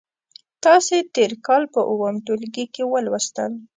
تاسې تېر کال په اووم ټولګي کې ولوستل.